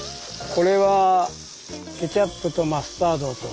これはケチャップとマスタードと。